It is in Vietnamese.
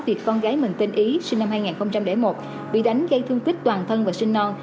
tị con gái mình tên ý sinh năm hai nghìn một bị đánh gây thương tích toàn thân và sinh non